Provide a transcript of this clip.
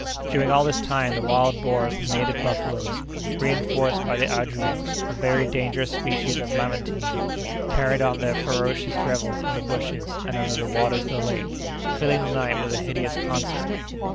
During all this time the wild boars and native buffaloes, reënforced by the ajoub—a very dangerous species of lamantine—carried on their ferocious revels in the bushes and under the waters of the lake, filling the night with a hideous concert.